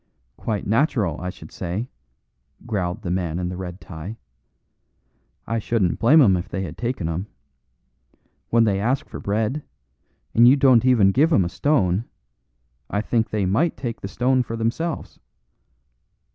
"Quite natural, I should say," growled the man in the red tie. "I shouldn't blame 'em if they had taken 'em. When they ask for bread, and you don't even give them a stone, I think they might take the stone for themselves."